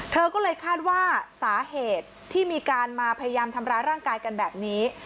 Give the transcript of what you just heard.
เธอก็เลยคาดว่าสาเหตุที่มีการมาพยายามทำร้ายร่างกายกันแบบนี้